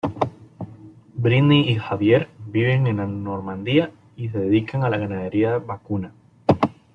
Brigitte y Xavier viven en Normandía y se dedican a la ganadería vacuna.